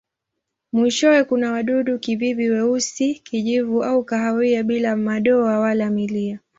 Mwishowe kuna wadudu-kibibi weusi, kijivu au kahawia bila madoa wala milia.